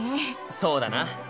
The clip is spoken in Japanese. そうだな。